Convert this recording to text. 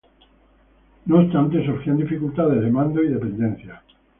No obstante, surgían dificultades de mando y dependencias.